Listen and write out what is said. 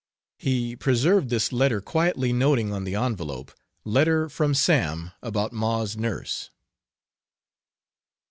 He preserved this letter, quietly noting on the envelope, "Letter from Sam, about ma's nurse."